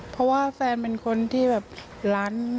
เพราะว่าแฟนเป็นคนที่แบบล้าน